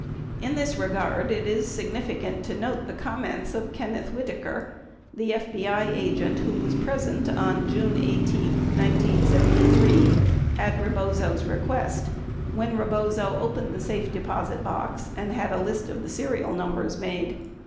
In this regard, it is significant to note the comments of Kenneth Whitaker, the FBI agent who was present on June 18, 1973 — at Re bozo's request — when Rebozo opened the safe deposit box and had a list of serial numbers made.